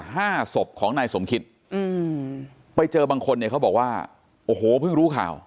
ห้าศพของนายสมคิดอืมไปเจอบางคนเนี่ยเขาบอกว่าโอ้โหเพิ่งรู้ข่าว